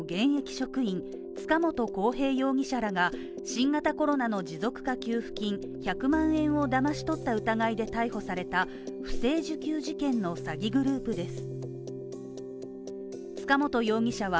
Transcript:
職員塚本晃平容疑者らが新型コロナの持続化給付金１００万円をだまし取った疑いで逮捕された不正受給事件の詐欺グループです。